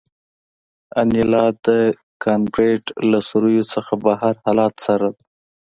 انیلا د کانکریټ له سوریو څخه بهر حالات څارل